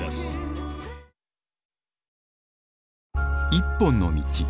「一本の道」。